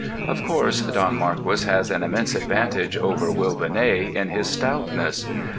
Of course Don Marquis has an immense advantage over Will Benét in his stoutness.